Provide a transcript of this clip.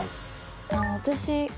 私。